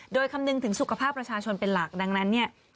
โดยคำนึงถึงสุขภาพประชาชนเป็นหลักดังนั้นเนี่ย